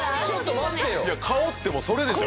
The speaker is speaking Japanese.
⁉ちょっと待ってよ！